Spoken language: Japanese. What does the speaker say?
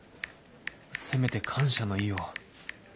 せめて感謝の意を